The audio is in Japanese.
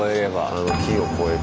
あの木を越えて。